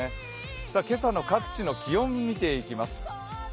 今朝の各地の気温を見ていきます。